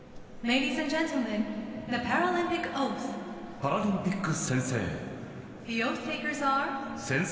パラリンピック宣誓。